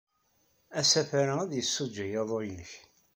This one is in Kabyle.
Asafar-a ad yessujjey aḍu-nnek.